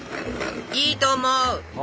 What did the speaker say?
いいと思う。